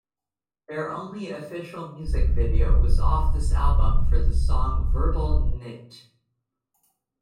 Their only official music video was off this album for the song Verbal Kint.